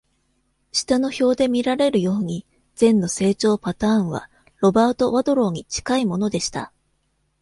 下の表で見られるように、ゼンの成長パターンは、ロバート・ワドローに近いものでした。